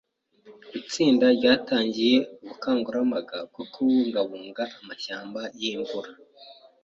Itsinda ryatangiye ubukangurambaga bwo kubungabunga amashyamba yimvura.